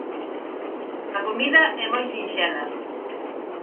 A comida é moi sinxela.